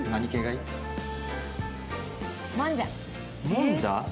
もんじゃ？